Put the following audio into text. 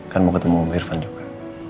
kan mau ketemu irfan juga